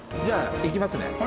じゃあ行きますね。